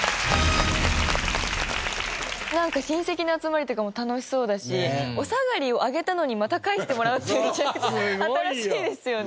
なんか親戚の集まりとかも楽しそうだしお下がりをあげたのにまた返してもらうっていう新しいですよね。